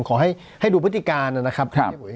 ขอให้ดูพฤติการนะครับ